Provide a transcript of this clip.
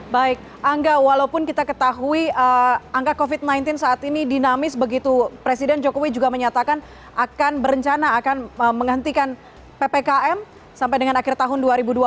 baik angga walaupun kita ketahui angka covid sembilan belas saat ini dinamis begitu presiden jokowi juga menyatakan akan berencana akan menghentikan ppkm sampai dengan akhir tahun dua ribu dua puluh